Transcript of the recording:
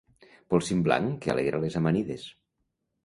Polsim blanc que alegra les amanides.